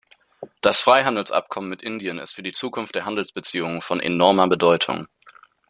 Das Freihandelsabkommen mit Indien ist für die Zukunft der Handelsbeziehungen von enormer Bedeutung.